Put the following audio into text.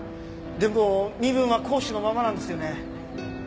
でも身分は講師のままなんですよね？